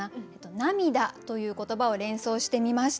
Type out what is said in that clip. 「涙」という言葉を連想してみました。